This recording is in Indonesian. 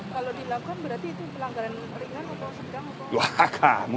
kalau dilakukan berarti itu pelanggaran ringan atau sedang atau